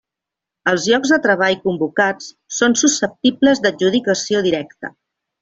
Els llocs de treball convocats són susceptibles d'adjudicació directa.